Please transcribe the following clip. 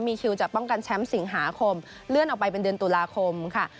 มีคิวจะป้องกันแชมป์สิงหาคมเลื่อนออกไปเป็นเดือนตุลาคมค่ะ